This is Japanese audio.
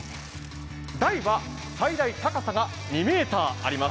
台は最大高さが２ｍあります。